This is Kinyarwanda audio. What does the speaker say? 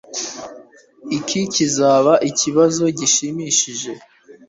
Iki kizaba ikibazo gishimishije.